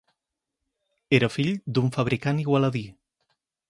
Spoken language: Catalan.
Era fill d'un fabricant igualadí.